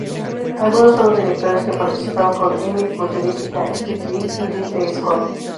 Algunos de los directores que participan son Emir Kusturica, Spike Lee y Ridley Scott.